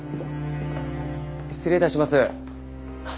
失礼致します。